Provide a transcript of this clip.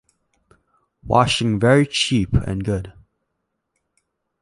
Washing very cheap and good.